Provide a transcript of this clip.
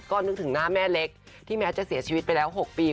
ก็นึกถึงหน้าแม่เล็กที่แม้จะเสียชีวิตไปแล้ว๖ปี